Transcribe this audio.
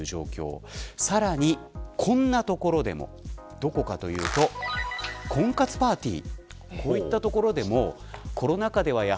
どこかというと婚活パーティー。